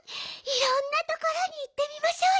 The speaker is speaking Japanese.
いろんなところにいってみましょうよ。